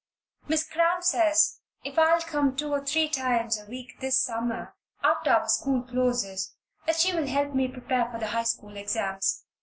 Miss Cramp says if I'll come two or three times a week this summer, after our school closes, that she will help me to prepare for the High School exams.